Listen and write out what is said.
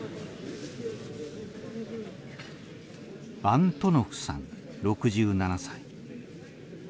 アントノフさん６７歳。